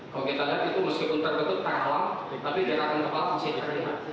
kalau kita lihat itu meskipun tergutuk terhalang tapi dia akan kembali masih terlihat